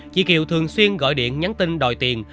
chị kiều thường xuyên gọi điện nhắn tin đòi tiền